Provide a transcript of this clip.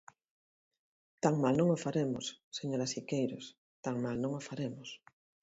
Tan mal non o faremos, señora Siqueiros, tan mal non o faremos.